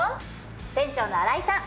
店長の新井さん